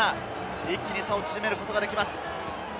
一気に差を縮めることができます。